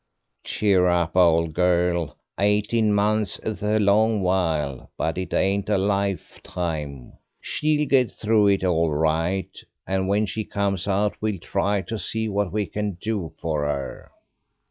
"Cheer up, old girl; eighteen months is a long while, but it ain't a lifetime. She'll get through it all right; and when she comes out we'll try to see what we can do for her."